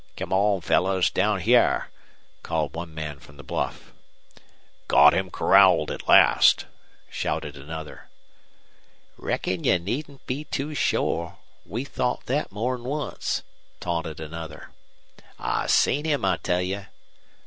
"Come on fellers down hyar," called one man from the bluff. "Got him corralled at last," shouted another. "Reckon ye needn't be too shore. We thought thet more'n once," taunted another. "I seen him, I tell you."